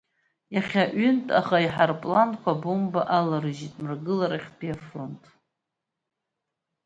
Иахьа ҩынтә аӷа иҳаирпланқәа абомбақәа аларыжьит Мрагыларахьтәи афронт.